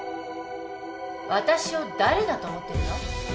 私を誰だと思ってるの？